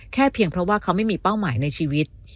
เพียงเพราะว่าเขาไม่มีเป้าหมายในชีวิต